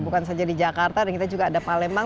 bukan saja di jakarta dan kita juga ada palembang